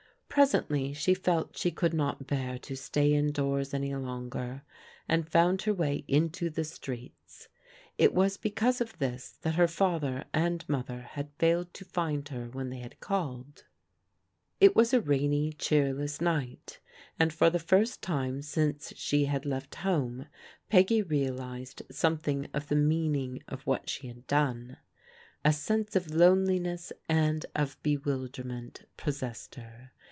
Presently she felt she could not bear to stay indoors any longer, and found her way into the streets. It was be cause of this that her father and mother had failed to find her when they had called. It was a rainy, cheerless night, and for the first time since she had left home, Peggy realized something of the meaning of what she had done. A sense of loneliness and of bewilderment possessed her.